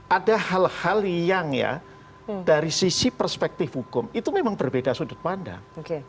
ada hal hal yang ya dari sisi perspektif hukum itu memang berbeda sudut pandang